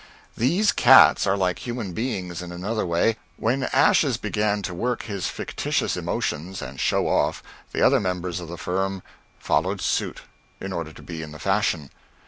These cats are like human beings in another way: when Ashes began to work his fictitious emotions, and show off, the other members of the firm followed suit, in order to be in the fashion.